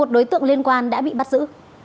một mươi một đối tượng liên quan đã bị bắt giữ